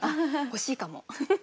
欲しいかも。